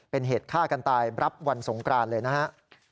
เป็นเหตุฆ่ากันตายรับวันสงกรานเลยนะครับ